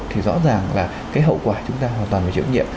thì rõ ràng là cái hậu quả chúng ta hoàn toàn phải chịu nhiệm